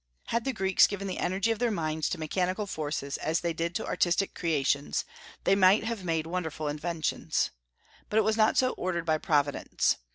Had the Greeks given the energy of their minds to mechanical forces as they did to artistic creations, they might have made wonderful inventions. But it was not so ordered by Providence.